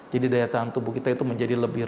jadi daya tahan tubuh kita akan menjadi lebih kuat